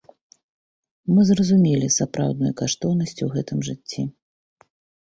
Мы зразумелі сапраўдную каштоўнасць у гэтым жыцці.